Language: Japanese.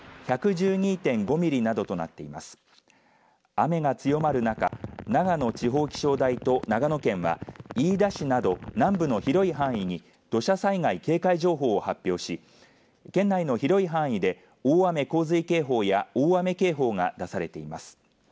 雨が強まる中長野地方気象台と長野県は飯田市など南部の広い範囲に土砂災害警戒情報を発表し県内の広い範囲で大雨洪水警報や大雨警報が出されています。